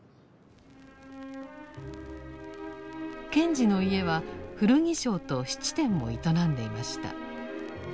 賢治の家は古着商と質店を営んでいました。